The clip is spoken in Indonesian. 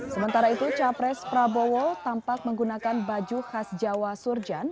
sementara itu capres prabowo tampak menggunakan baju khas jawa surjan